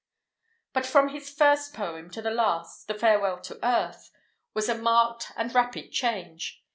But from his first poem to the last, "The Farewell to Earth," was a marked, and rapid change.